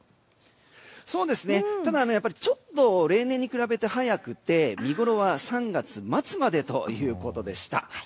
ただ、ちょっと例年に比べて早くて見ごろは３月末までということでした。